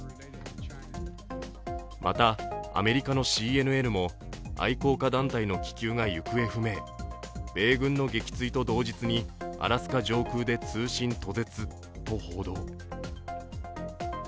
また、アメリカのＣＮＮも愛好家団体の気球が行方不明米軍の撃墜と同日にアラスカ上空で通信途絶と報道。